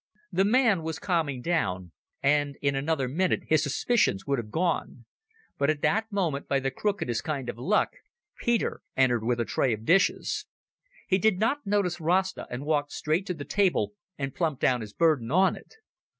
The man was calming down, and in another minute his suspicions would have gone. But at that moment, by the crookedest kind of luck, Peter entered with a tray of dishes. He did not notice Rasta, and walked straight to the table and plumped down his burden on it.